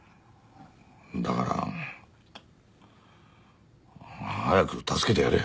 だから早く助けてやれよ。